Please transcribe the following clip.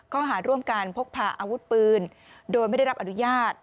ข้อหาร่วมการพกพาอาวุธปืนโดยไม่ได้รับอนุญาต